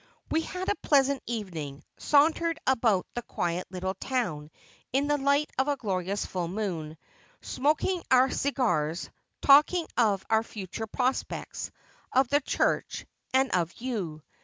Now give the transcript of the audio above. ' We had a pleasant evening, sauntering about the quiet little town in the light of a glorious full moon, smoking our cigars, talking of our future prospects, of the Church, and of you.